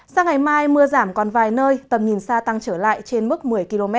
sang ngày mai mưa giảm còn vài nơi tầm nhìn xa tăng trở lại trên mức một mươi km